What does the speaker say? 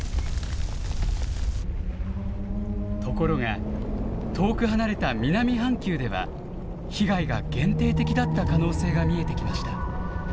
ところが遠く離れた南半球では被害が限定的だった可能性が見えてきました。